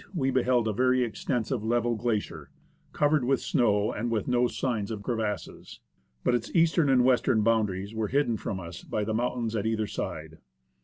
ELIAS beheld a very extensive level glacier, covered with snow, and with no si^ns of crevasses', but its eastern and western boundaries were hidden from us by the mountains at either side.